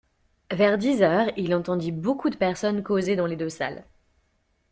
Vers dix heures, il entendit beaucoup de personnes causer dans les deux salles.